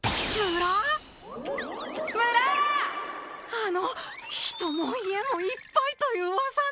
あの人も家もいっぱいという噂の！